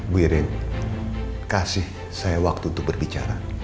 bu irin kasih saya waktu untuk berbicara